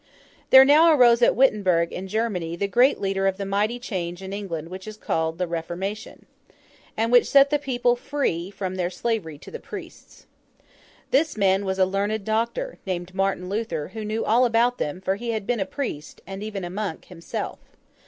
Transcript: There now arose at Wittemberg, in Germany, the great leader of the mighty change in England which is called The Reformation, and which set the people free from their slavery to the priests. This was a learned Doctor, named Martin Luther, who knew all about them, for he had been a priest, and even a monk, himself.